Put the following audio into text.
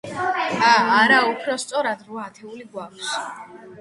ა, არა, უფრო სწორად, რვა ათეული გვაქვს.